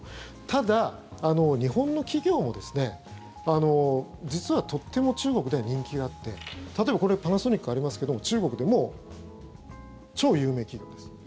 ただ、日本の企業もですね実はとっても中国では人気があって例えば、パナソニックありますけども中国でも超有名企業です。